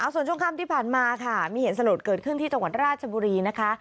ส่วนช่วงค่ำที่ผ่านมาค่ะมีเหตุสลดเกิดขึ้นที่จังหวัดราชบุรีนะคะ